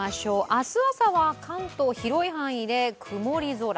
明日朝は関東広い範囲で曇り空。